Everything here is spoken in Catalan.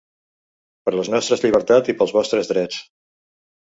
Per les nostres llibertats i pels vostres drets.